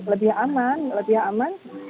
lebih aman lebih aman